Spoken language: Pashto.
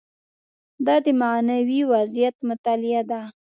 دا د معنوي وضعیت مطالعه ده.